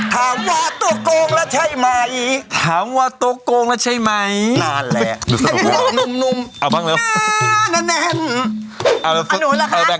ว่าบ้างสาวเขาตะกิดแม่นั่นพะแหละ